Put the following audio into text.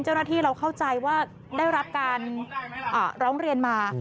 เจ้าหน้าที่เราเข้าใจว่าได้รับการร้องเรียนมา